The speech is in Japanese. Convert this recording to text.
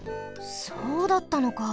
そうだったのか。